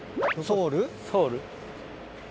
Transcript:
ソウル？